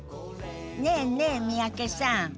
ねえねえ三宅さん。